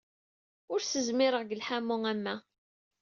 Ur s-zmireɣ deg lḥuman am wa.